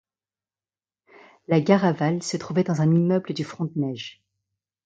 La gare aval se trouvait dans un immeuble du front de neige.